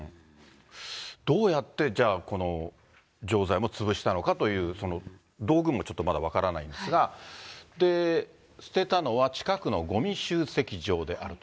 どうやって、じゃあ、この錠剤も潰したのかという、その道具もちょっとまだ分からないんですが、捨てたのは、近くのごみ集積場であると。